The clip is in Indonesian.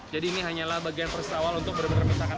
jadi ini hanyalah bagian awal untuk benar benar pisahkan